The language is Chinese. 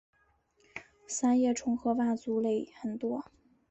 三叶虫和腕足类很多。